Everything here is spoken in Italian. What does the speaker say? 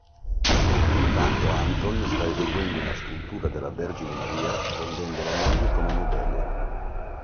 Intanto Anton sta eseguendo una scultura della Vergine Maria, prendendo la moglie come modella.